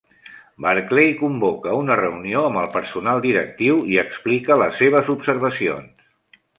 Barclay convoca una reunió amb el personal directiu i explica les seves observacions.